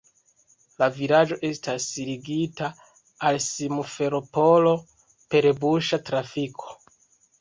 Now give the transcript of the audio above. La vilaĝo estas ligita al Simferopolo per busa trafiko.